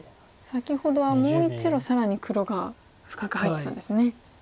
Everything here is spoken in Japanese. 先ほどはもう１路更に黒が深く入ってたんですね。